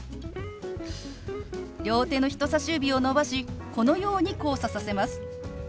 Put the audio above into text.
両手の人さし指を伸ばしこのように交差させます。